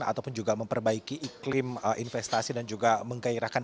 ataupun juga memperbaiki iklim investasi dan juga menggairahkan